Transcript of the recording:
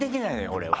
俺は。